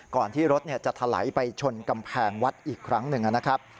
ที่รถจะถลายไปชนกำแพงวัดอีกครั้งหนึ่งนะครับ